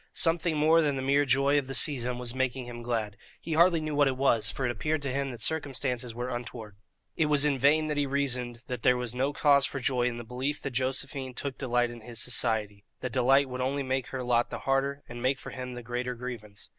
Something more than the mere joy of the season was making him glad; he hardly knew what it was, for it appeared to him that circumstances were untoward. It was in vain that he reasoned that there was no cause for joy in the belief that Josephine took delight in his society; that delight would only make her lot the harder, and make for him the greater grievance.